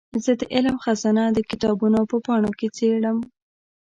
زه د علم خزانه د کتابونو په پاڼو کې څېړم.